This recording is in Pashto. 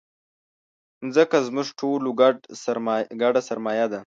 مځکه زموږ ټولو ګډه سرمایه ده.